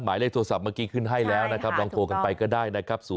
หมายเลขโทรศัพท์เมื่อกี้ขึ้นให้แล้วลองโฟมกันไปก็ได้